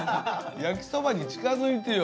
焼きそばに近づいてよ。